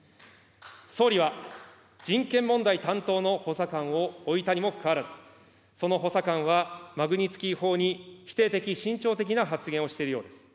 総理は人権問題担当の補佐官を置いたにもかかわらず、その補佐官はマグニツキー法に否定的、慎重的な発言をしているようです。